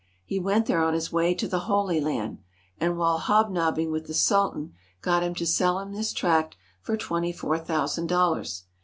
He went there on his way to the Holy Land, and while hobnobbing with the Sultan got him to sell him this tract for twenty four thousand dollars.